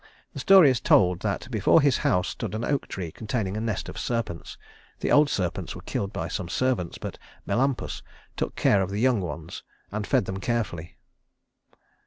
The story is told that before his house stood an oak tree containing a nest of serpents. The old serpents were killed by some servants, but Melampus took care of the young ones, and fed them carefully.